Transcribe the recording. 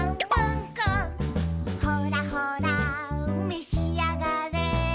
「ほらほらめしあがれ」